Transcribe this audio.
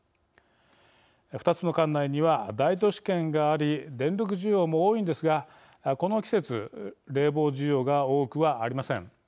２つの管内には大都市圏があり電力需要も多いんですがこの季節冷房需要が多くはありません。